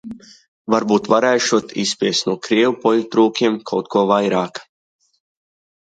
"Varbūt varēšot "izspiest" no krievu poļitrukiem kaut ko vairāk."